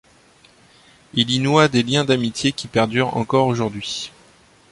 Il y noua des liens d'amitié qui perdurent encore aujourd'hui.